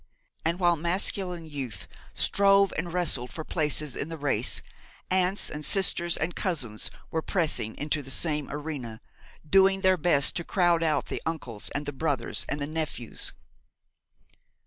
And while masculine youth strove and wrestled for places in the race, aunts and sisters and cousins were pressing into the same arena, doing their best to crowd out the uncles and the brothers and the nephews.